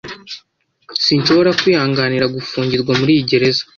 Sinshobora kwihanganira gufungirwa muri iyi gereza!